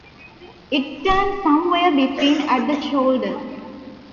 It stands somewhere between at the shoulder.